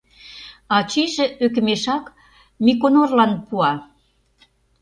Ачийже ӧкымешак Миконорлан пуа...